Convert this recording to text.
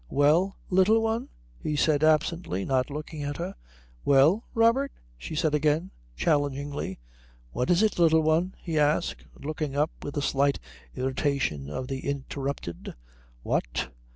"Well, Little One?" he said absently, not looking at her. "Well, Robert?" she said again, challengingly. "What is it, Little One?" he asked, looking up with the slight irritation of the interrupted. "What?